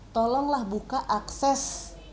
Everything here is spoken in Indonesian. tolonglah buka akses